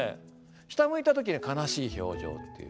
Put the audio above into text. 下向いた時に悲しい表情っていう。